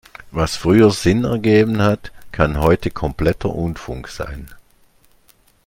Was früher Sinn ergeben hat, kann heute kompletter Unfug sein.